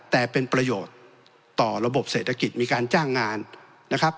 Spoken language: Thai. แต่เป็นประโยชน์ต่อระบบเศรษฐกิจมีการจ้างงานนะครับ